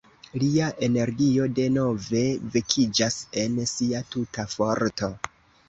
Lia energio denove vekiĝas en sia tuta forto.